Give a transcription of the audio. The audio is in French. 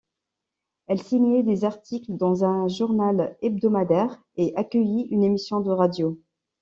Elle signait des articles dans un journal hebdomadaire et accueillit une émission de radio.